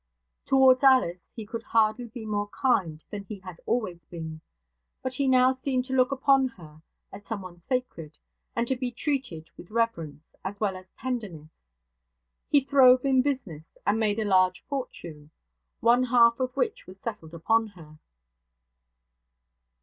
Towards Alice he could hardly be more kind than he had always been; but he now seemed to look upon her as someone sacred, and to be treated with reverence, as well as tenderness. He throve in business, and made a large fortune, one half of which was settled upon her.